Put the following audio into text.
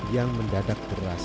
yang mendadak beras